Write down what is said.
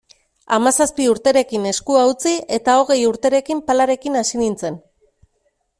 Hamazazpi urterekin eskua utzi eta hogei urterekin palarekin hasi nintzen.